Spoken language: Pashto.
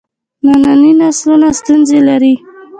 ننني نسلونه ستونزې لري.